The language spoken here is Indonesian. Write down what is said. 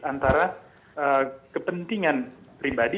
antara kepentingan pribadi